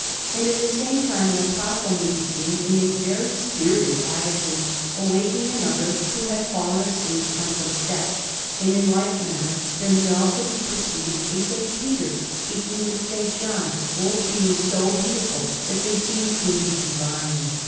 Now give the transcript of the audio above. And at the same time an Apostle may be seen in a very spirited attitude, awaking another who has fallen asleep on some steps; and in like manner there may also be perceived a S. Peter speaking with S. John, both being so beautiful that they seem truly divine.